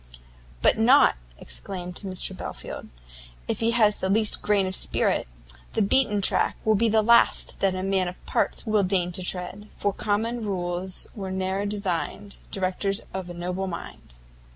"But not," exclaimed Mr Belfield, "if he has the least grain of spirit! the beaten track will be the last that a man of parts will deign to tread, For common rules were ne'er designed Directors of a noble mind."